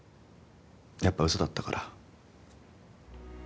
やっぱうそだったから。